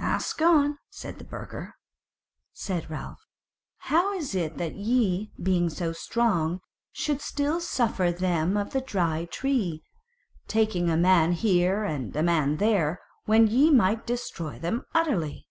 "Ask on," said the burgher. Said Ralph: "How is it that ye, being so strong, should still suffer them of the Dry Tree, taking a man here and a man there, when ye might destroy them utterly?"